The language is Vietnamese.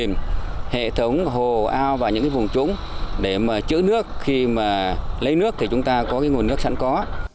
đồng thời là tích chữa nước trong các hệ thống hệ thống hồ ao và những vùng trúng để chữa nước khi lấy nước thì chúng ta có nguồn nước sẵn có